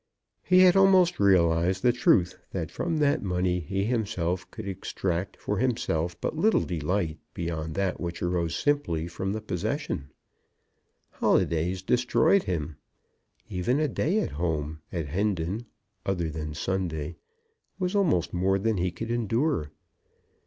He had almost realised the truth that from that money he himself could extract, for himself, but little delight beyond that which arose simply from the possession. Holidays destroyed him. Even a day at home at Hendon, other than Sunday, was almost more than he could endure.